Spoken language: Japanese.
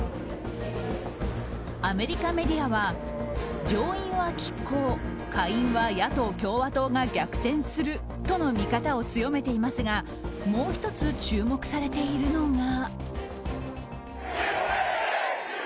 アメリカメディアは上院は拮抗下院は野党・共和党が逆転するとの見方を強めていますがもう１つ、注目されているのが。